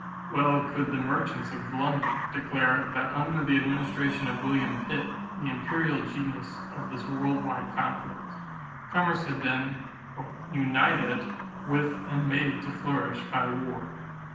Well could the merchants of London declare that under the administration of William Pitt, the imperial genius of this world wide conflict, commerce had been "united with and made to flourish by war."